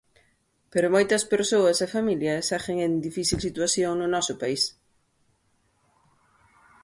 Pero moitas persoas e familias seguen en difícil situación no noso país.